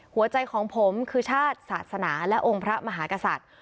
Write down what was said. หัวใจของผมคือชาติศาสนาและองค์พระมหากษัตริย์